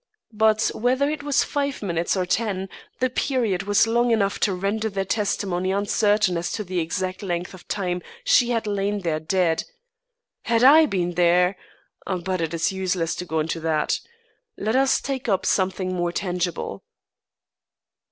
But whether it was five minutes or ten, the period was long enough to render their testimony uncertain as to the exact length of time she had lain there dead. Had I been there But it's useless to go into that. Let us take up something more tangible."